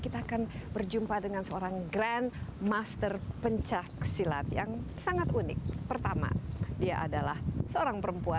dan juga olimpiade